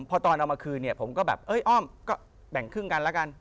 พอตอนเอามาคืนเนี่ยผมก็แบบเอ้ยอ้อมก็แบ่งครึ่งกันแล้วกัน